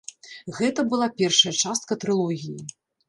Гэта была першая частка трылогіі.